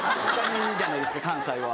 じゃないですか関西は。